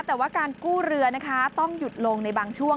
แต่ว่าการกู้เรือนะคะต้องหยุดลงในบางช่วง